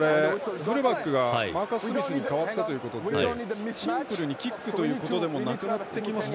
フルバックがマーカス・スミスに代わったということでシンプルにキックということでもなくなってきますか。